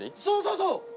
そうそうそう！